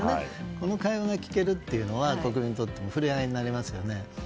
この会話が聞けるというのは国民にとっても触れ合いになりますよね。